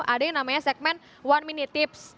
ada yang namanya segmen one minute tips